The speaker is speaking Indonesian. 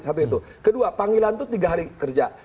satu itu kedua panggilan itu tiga hari kerja